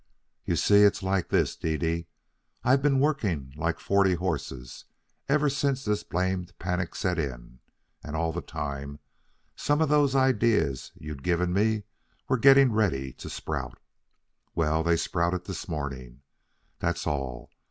"You see, it's like this, Dede. I've been working like forty horses ever since this blamed panic set in, and all the time some of those ideas you'd given me were getting ready to sprout. Well, they sprouted this morning, that's all.